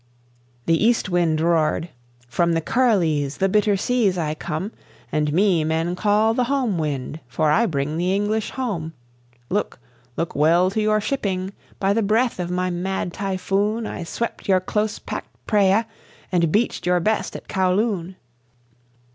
The East Wind roared: "From the Kuriles, the Bitter Seas, I come, And me men call the Home Wind, for I bring the English home. Look look well to your shipping! By the breath of my mad typhoon I swept your close packed Praya and beached your best at Kowloon!